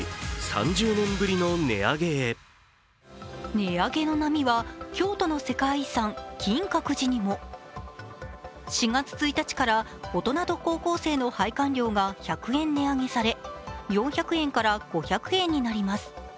値上げの波は京都の世界遺産金閣寺にも４月１日から大人と高校生の拝観料が１００円値上げされ４００円から５００円になります。